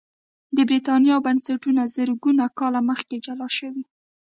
د برېټانیا بنسټونه زرګونه کاله مخکې جلا شوي